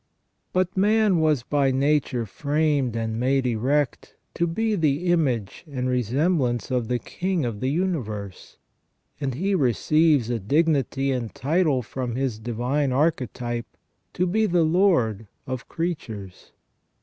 But man was by nature framed and made erect to be the image and resemblance of the King of the universe, and he re ceives a dignity and title from his Divine Archetype to be the lord of creatures.